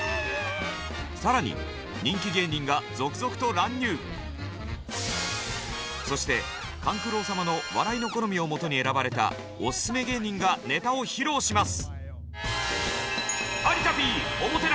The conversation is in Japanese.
更にそして勘九郎様の笑いの好みをもとに選ばれたオススメ芸人がネタを披露します。